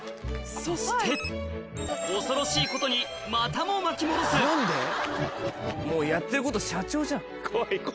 そして恐ろしいことにまたも巻き戻すもうやってること社長じゃん。